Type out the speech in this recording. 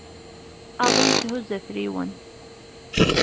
Aḍu yetthuzu afriwen.